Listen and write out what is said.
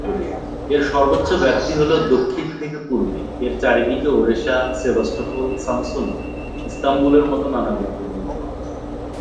এর সর্বোচ্চ ব্যাপ্তি হলো দক্ষিণ থেকে পূর্বে ।এর চারিদিকে ওডেসা, সেভাস্টোপোল, সামসুন, ইস্তানবুলের মতো নানা গুরুত্বপূর্ণ শহর আছে।